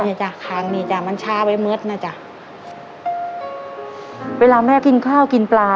นี่จ้ะข้างนี่จ้ะมันช้าไปมืดนะจ๊ะเวลาแม่กินข้าวกินปลา